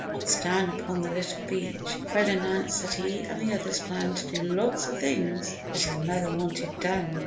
Once down upon the little beach, Fred announced that he and the others planned to do lots of things that his mother wanted done.